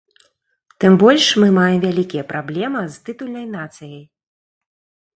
Тым больш, мы маем вялікія праблема з тытульнай нацыяй.